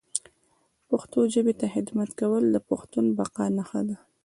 پښتو ژبي ته خدمت کول د پښتون بقا نښه ده